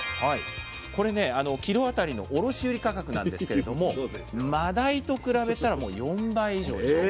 これねキロ当たりの卸売価格なんですけれどもまだいと比べたら４倍以上でしょ。